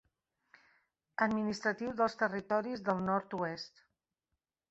Administratiu dels Territoris del Nord-oest.